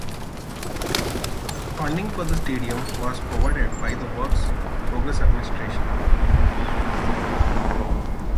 Funding for the stadium was provided by the Works Progress Administration.